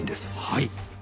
はい。